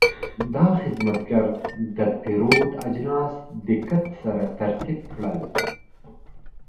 دا خدمتګر د پیرود اجناس دقت سره ترتیب کړل.